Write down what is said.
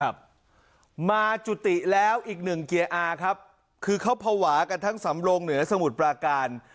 มาจุติแล้วอีกหนึ่งเกียร์อาครับคือเขาภาวะกันทั้งสำโรงเหนือสมุทรปราการ